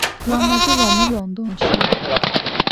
ლამაზი ლომი ლონდონში